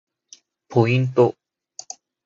ポイント